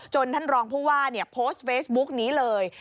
ท่านรองผู้ว่าโพสต์เฟซบุ๊กนี้เลย